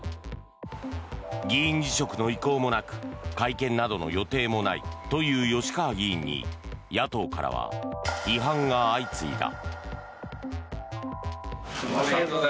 議員辞職の意向もなく会見などの予定もないという吉川議員に野党からは批判が相次いだ。